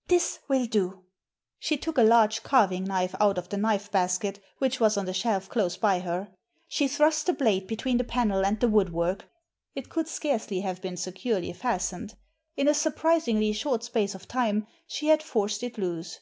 « This will do." She took a large carving knife out of the knife basket which was on the shelf close by her. She thrust the blade between the panel and the wood work. It could scarcely have been securely fastened In a surprisingly short space of time she had forced it loose.